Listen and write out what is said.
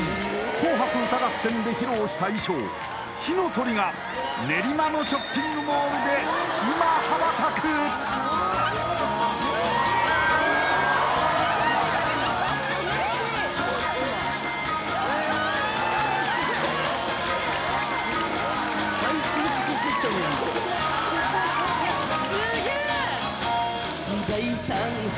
「紅白歌合戦」で披露した衣装火の鳥が練馬のショッピングモールで今羽ばたくハッスゴい！